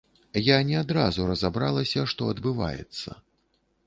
Я не адразу разабралася, што адбываецца.